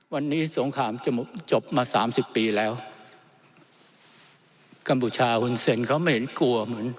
วันนี้สงครามจะจบมาสามสิบปีแล้วกัมพูชาหุ่นเซ็นเขาไม่เห็นกลัวเหมือน